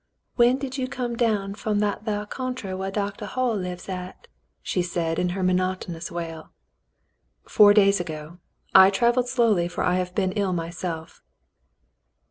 "When did you come down f'om that thar country whar Doctah Hoyle lives at ?" she said, in her monotonous wail. "Four days ago. I travelled slowly, for I have been ill myself.''